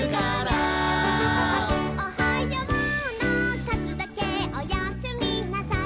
「おはようのかずだけおやすみなさい」